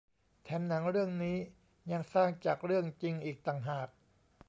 แถมหนังเรื่องนี้ยังสร้างจากเรื่องจริงอีกต่างหาก